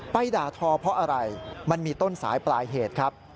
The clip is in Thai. ด่าทอเพราะอะไรมันมีต้นสายปลายเหตุครับ